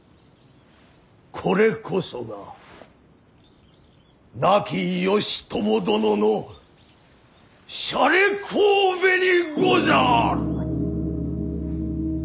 これこそが亡き義朝殿のしゃれこうべにござる！